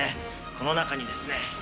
この中にですね。